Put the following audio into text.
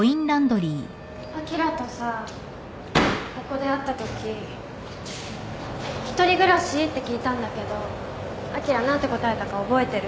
あきらとさここで会ったとき「一人暮らし？」って聞いたんだけどあきら何て答えたか覚えてる？